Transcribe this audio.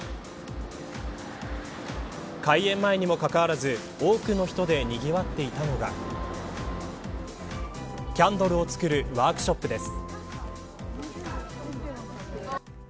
開演前にもかかわらず多くの人でにぎわっていたのがキャンドルを作るワークショップです。